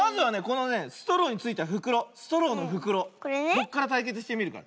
こっからたいけつしてみるから。